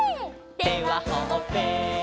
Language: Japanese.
「手はほっぺ」